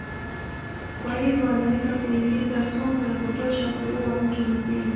Kwa hivyo wanaweza kuingiza sumu ya kutosha kuua mtu mzima.